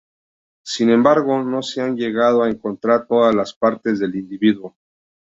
Sin embargo, no se han llegado a encontrar todas las partes del individuo.